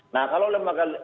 nah kalau lembaga